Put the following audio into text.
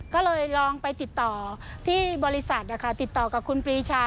ก็เลยลองไปติดต่อที่บริษัทติดต่อกับคุณปรีชา